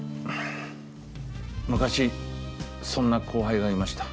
昔そんな後輩がいました。